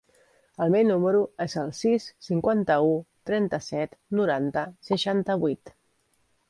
El meu número es el sis, cinquanta-u, trenta-set, noranta, seixanta-vuit.